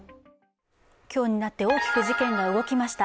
今日になって大きく事件が動きました。